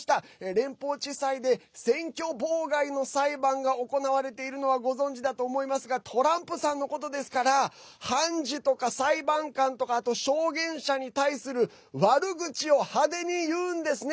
連邦地裁で、選挙妨害の裁判が行われているのはご存じだと思いますがトランプさんのことですから判事とか裁判官とかあと、証言者に対する悪口を派手に言うんですね。